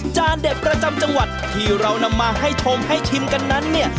เด็ดประจำจังหวัดที่เรานำมาให้ชมให้ชิมกันนั้นเนี่ย